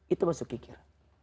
itu masuk kikir